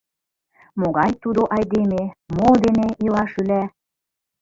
— Могай тудо айдеме, мо дене ила-шӱла...